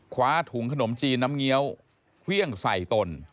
คว้าถุงขนมจีนน้ำเงี้ยวเครื่องใส่ตน